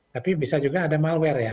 tapi bisa juga ada malware ya